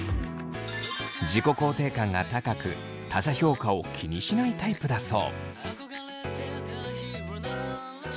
自己肯定感が高く他者評価を気にしないタイプだそう。